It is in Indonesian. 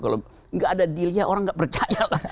kalau gak ada dealnya orang gak percaya kan